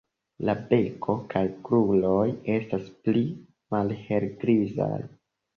La beko kaj kruroj estas pli malhelgrizaj.